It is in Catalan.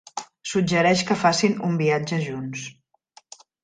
Suggereix que facin un viatge junts.